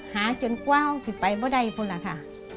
หาจนกว้าเหาะสิ่งไปไม่ได้พูดล่ะค่ะ